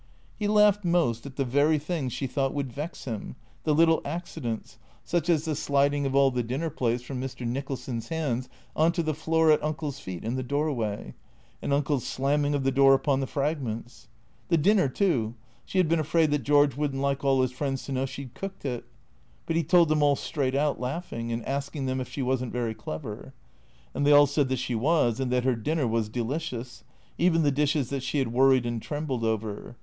He laughed most at the very things she thought would vex him, the little accidents, such as the sliding THE ORE A TOES 299 of all the dinner plates from Mr. Nicholson's hands on to the floor at Uncle's feet in the doorway, and Uncle's slamming of the door upon the fragments. The dinner, too; she had been afraid that George would n't like all his friends to know she 'd cooked it. But he told them all straight out, laughing, and ask ing them if she was n't very clever ? And they all said that she was, and that her dinner was delicious; even the dishes that she had worried and trembled over.